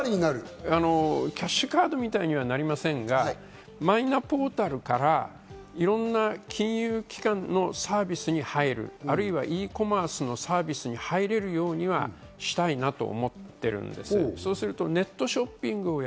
キャッシュカードみたいにはなりませんが、マイナポータルからいろんな金融機関のサービスに入る、あるいはｅコマースのサービスで入れるようにはしたいなと思ってるんです。